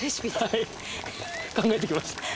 はい考えてきました